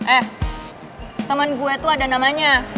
eh temen gue tuh ada namanya